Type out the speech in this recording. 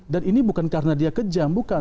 dan ini bukan karena dia kejam bukan